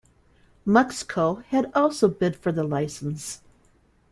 MuxCo had also bid for the licence.